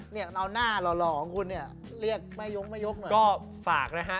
เดี๋ยวงั้นเลยจะส่องซักที